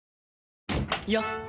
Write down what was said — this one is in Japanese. よっ！